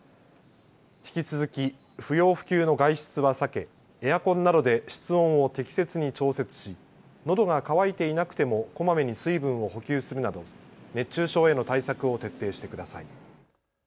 引き続き不要不急の外出は避けエアコンなどで室温を適切に調節し、のどが渇いていなくてもこまめに水分を補給するなど熱中症への対策を徹底してください。